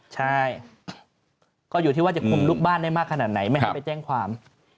ใช่ก็อยู่ที่ว่าจะคุมลูกบ้านได้มากขนาดไหนไม่ให้ไปแจ้งความ